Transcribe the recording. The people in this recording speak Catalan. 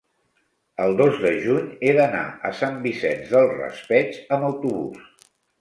El dos de juny he d'anar a Sant Vicent del Raspeig amb autobús.